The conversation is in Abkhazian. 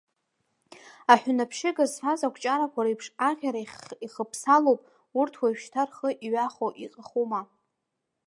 Аҳәынаԥшьыга зфаз акәҷарақәа реиԥш аӷьара ихыԥсалоуп, урҭ уажәшьҭа рхы иҩахо иҟахума.